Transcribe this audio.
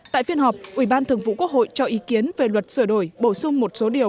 tại phiên họp ủy ban thường vụ quốc hội cho ý kiến về luật sửa đổi bổ sung một số điều